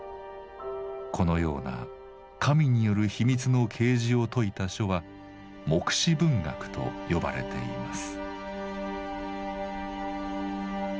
このような神による「秘密の啓示」を説いた書は「黙示文学」と呼ばれています。